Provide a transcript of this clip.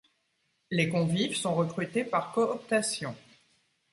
Les convives sont recrutés par cooptation.